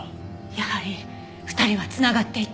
やはり２人は繋がっていた。